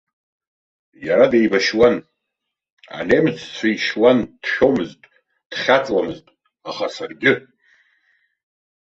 Иара деибашьуан, анемеццәа ишьуан, дшәомызт, дхьаҵуамызт, аха саргьы.